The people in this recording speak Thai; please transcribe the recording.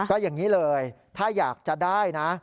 ก็อย่างนี้เลยถ้าอยากจะได้นะ